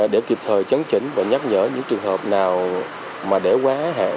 để kịp thời chấn chỉnh và nhắc nhở những trường hợp nào mà để qua